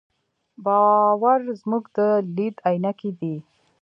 باور زموږ د لید عینکې دي.